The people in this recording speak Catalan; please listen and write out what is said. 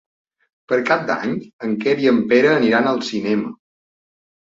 Per Cap d'Any en Quer i en Pere aniran al cinema.